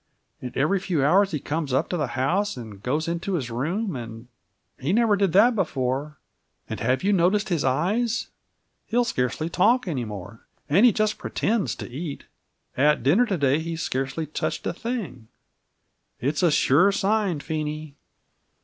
And every few hours he comes up to the house and goes into his room and he never did that before. And have you noticed his eyes? He'll scarcely talk any more, and he just pretends to eat. At dinner to day he scarcely touched a thing! It's a sure sign, Phenie."